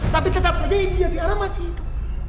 tapi tetap saja ibunya tiara masih hidup